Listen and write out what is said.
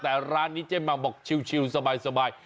แต่ร้านนี้เจ๊มังบอกชิลสบาย